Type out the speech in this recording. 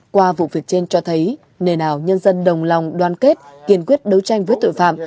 qua vụ việc trên cho thấy nền nào nhân dân đồng lòng đoàn kết kiên quyết đấu tranh với tội phạm